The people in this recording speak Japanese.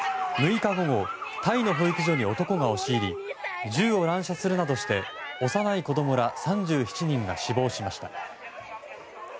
６日午後タイの保育所に男が押し入り銃を乱射するなどして幼い子供ら３７人が死亡しました。